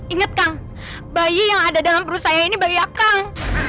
ingat kang bayi yang ada dalam perut saya ini bayi akang